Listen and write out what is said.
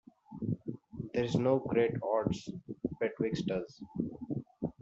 There's no great odds betwixt us.